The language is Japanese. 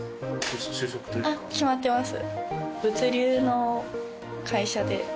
あっ決まってます。